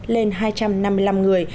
lên hai trăm năm mươi năm người